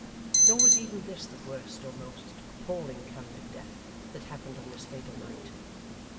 Nor was even this the worst or most appalling kind of death that happened on this fatal night.